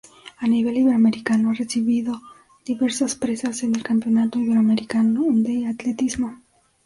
A nivel iberoamericano ha recibido diversas preseas en el Campeonato Iberoamericano de Atletismo.